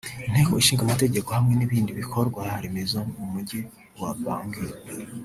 Inteko Ishinga Amategeko hamwe n’ibindi bikorwa remezo mu Mujyi wa Bangui